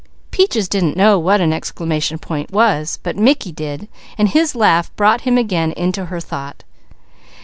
Peaches didn't know what an exclamation point was, but Mickey did. His laugh brought him again into her thought.